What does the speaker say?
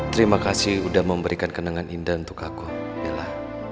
terima kasih sudah memberikan kenangan indah untuk aku bella